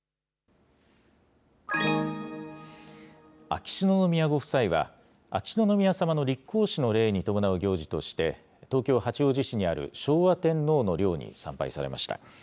秋篠宮ご夫妻は、秋篠宮さまの立皇嗣の礼に伴う行事として、東京・八王子市にある、昭和天皇陵に参拝されました。